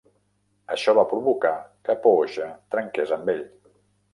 Això va provocar que Pooja trenqués amb ell.